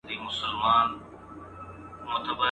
دېو که شیطان یې خو ښکرور یې.